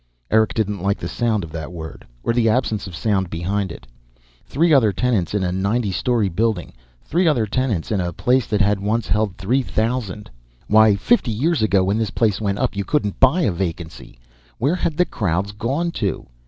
_ Eric didn't like the sound of that word. Or the absence of sound behind it. Three other tenants in a ninety story building. Three other tenants in a place that had once held three thousand. Why, fifty years ago, when this place went up, you couldn't buy a vacancy. Where had the crowds gone to?